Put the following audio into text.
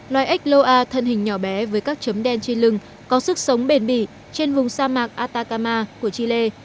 loài ếch loa thân hình nhỏ bé với các chấm đen chi lưng có sức sống bền bỉ trên vùng sa mạc atakama của chile